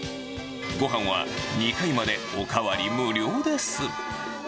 ごはんは２回までお代わり無料です。